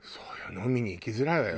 飲みに行きづらいわよ